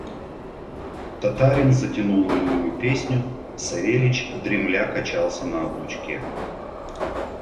Татарин затянул унылую песню; Савельич, дремля, качался на облучке.